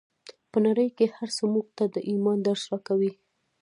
په نړۍ کې هر څه موږ ته د ایمان درس راکوي